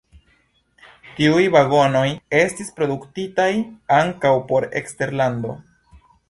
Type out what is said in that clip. Tiuj vagonoj estis produktitaj ankaŭ por eksterlando.